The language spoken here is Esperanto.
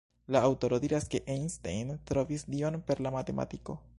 La aŭtoro diras ke Einstein trovis Dion per la matematiko.